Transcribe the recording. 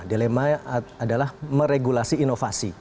dilema adalah meregulasi inovasi